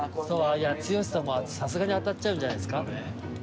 剛さんもさすがに当たっちゃうんじゃないですか？